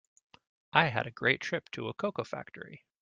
I had a great trip to a cocoa factory.